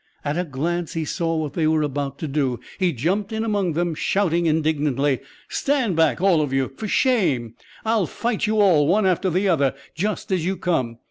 At a glance he saw what they were about to do. He jumped in among them, shouting indignantly: "Stand back, all of you! For shame! I'll fight you all, one after the other, just as you come.